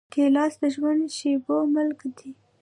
ګیلاس د ژوند د شېبو مل دی.